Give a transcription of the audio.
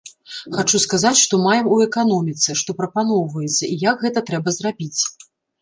Хачу сказаць, што маем у эканоміцы, што прапаноўваецца, і як гэта трэба зрабіць.